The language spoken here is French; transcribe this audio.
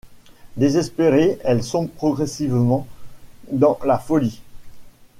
Désespérée, elle sombre progressivement dans la folie...